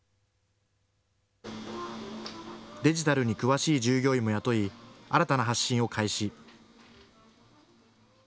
デジタルに詳しい従業員も雇い新たな発信を開始。